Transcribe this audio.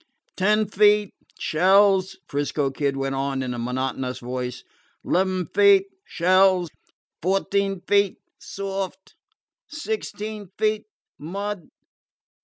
"Ten feet shells," 'Frisco Kid went on in a monotonous voice. "'Leven feet shells. Fourteen feet soft. Sixteen feet mud.